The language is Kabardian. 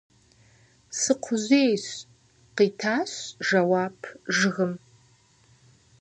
– Сыкхъужьейщ! – къитащ жэуап жыгым.